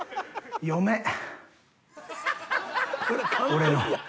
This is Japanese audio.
俺の。